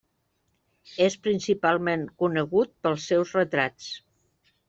És principalment conegut pels seus retrats.